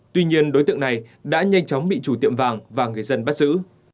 tuy nhiên đối tượng này đã nhanh chóng bị chủ tiệm vàng và người dân bắt giữ